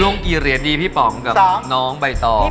ลงกี่เงินกันดีพี่พ๋องกับน้องใบตอม